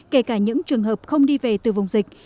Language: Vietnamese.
kể cả những trường hợp không đi về từ vùng dịch